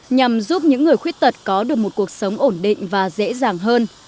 nhằm giúp những người khuyết tật có được một cuộc sống ổn định và dễ dàng hơn